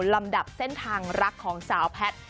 ลำดับเส้นทางรักของสาวแพทย์